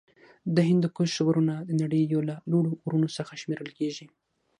د هندوکش غرونه د نړۍ یو له لوړو غرونو څخه شمېرل کیږی.